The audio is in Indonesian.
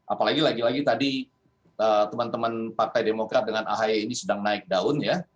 apalagi lagi lagi tadi teman teman partai demokrat dengan ahy ini sedang naik daun ya